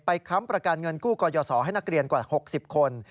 ค้ำประกันเงินกู้ก่อยสอให้นักเรียนกว่า๖๐คน